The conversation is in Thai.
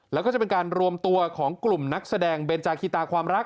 แล้วก็จะเป็นการรวมตัวของกลุ่มนักแสดงเบนจาคิตาความรัก